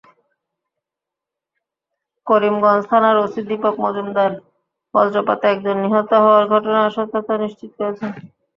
করিমগঞ্জ থানার ওসি দীপক মজুমদার বজ্রপাতে একজন নিহত হওয়ার ঘটনার সত্যতা নিশ্চিত করেছেন।